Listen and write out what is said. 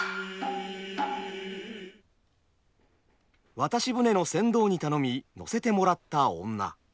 渡し船の船頭に頼みのせてもらった女。